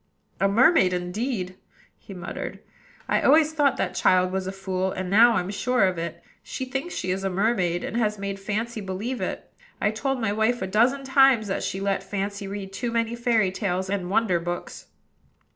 "A mermaid indeed!" he muttered. "I always thought that child was a fool, and now I'm sure of it. She thinks she is a mermaid, and has made Fancy believe it. I've told my wife a dozen times that she let Fancy read too many fairy tales and wonder books.